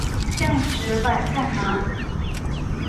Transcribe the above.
现实摆在哪里！